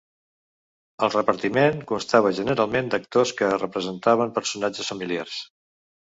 El repartiment constava generalment d'actors que representaven personatges familiars.